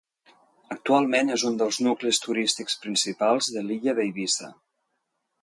Actualment és un dels nuclis turístics principals de l'illa d'Eivissa.